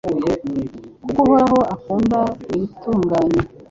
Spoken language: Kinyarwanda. kuko Uhoraho akunda ibitunganye